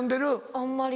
あんまり。